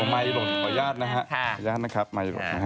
ไมค์หล่นขออนุญาตนะฮะขออนุญาตนะครับไมคลนนะฮะ